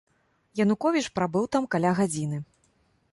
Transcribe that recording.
Януковіч прабыў там каля гадзіны.